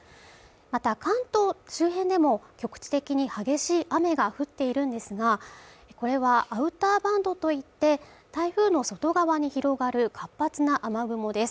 また関東周辺でも局地的に激しい雨が降っているんですがこれはアウターバンドといって台風の外側に広がる活発な雨雲です